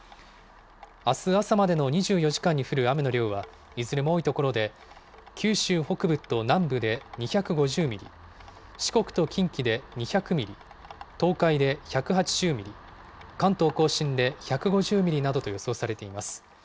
あす朝までの２４時間に降る雨の量は、いずれも多い所で、九州北部と南部で２５０ミリ、四国と近畿で２００ミリ、東海で１８０ミリ、関東甲信で１５０ミリなどと予想されています。